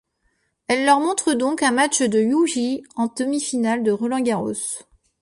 Elle leur montre donc un match de Juuji en demi-finale de Roland Garros.